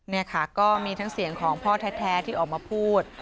นี่ค่ะก็มีทั้งเสียงของพ่อแท้ที่ออกมาพูด